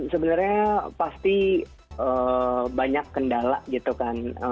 sebenarnya pasti banyak kendala gitu kan